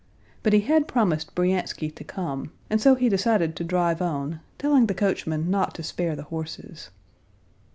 But he had promised Bryansky to come, and so he decided to drive on, telling the coachman not to spare the horses.